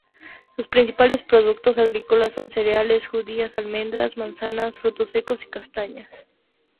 Sus principales productos agrícolas son cereales, judías, almendras, manzanas, frutos secos y castañas.